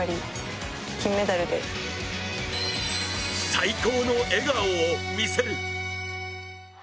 最高の笑顔を見せる。